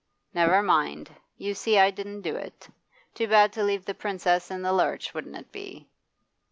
'Never mind. You see I didn't do it. Too bad to leave the Princess in the lurch, wouldn't it be?